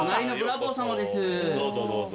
どうぞどうぞ。